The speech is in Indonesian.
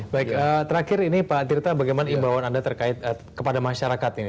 baik terakhir ini pak tirta bagaimana imbauan anda terkait kepada masyarakat ini